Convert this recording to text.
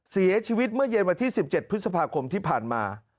เสียชีวิตเมื่อเย็นวันที่๑๗พฤษภาคมที่ผ่านมา